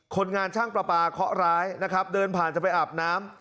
คนงานช่างประปาเคาะร้ายนะครับเดินผ่านจะไปอาบน้ำ